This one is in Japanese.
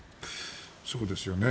そうですよね。